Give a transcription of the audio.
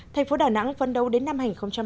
thành phố đà nẵng phấn đấu đến năm hai nghìn ba mươi